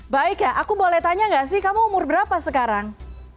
baik ya aku boleh tanya nggak sih kamu umur berapa sekarang